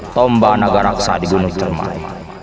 tombak naga raksa di gunung cermai